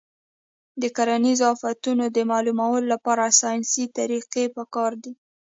د کرنیزو آفتونو د معلومولو لپاره ساینسي طریقې پکار دي.